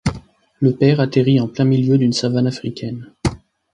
Le père atterrit en plein milieu d'une savane africaine.